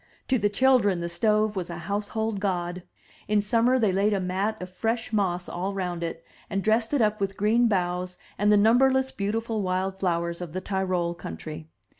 To the children the stove was a household god. In summer they laid a mat of fresh moss all round it, and dressed it up with green boughs and the number less beautiful wild flowers of the Tyrol country.